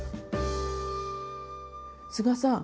須賀さん